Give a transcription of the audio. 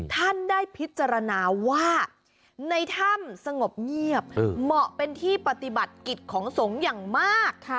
ท่านได้พิจารณาว่าในถ้ำสงบเงียบเหมาะเป็นที่ปฏิบัติกิจของสงฆ์อย่างมาก